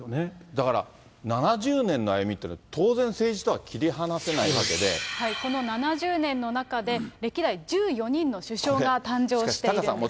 だから７０年の歩みっていうのは、当然政治とは切り離せないこの７０年の中で、歴代１４人の首相が誕生してるんです。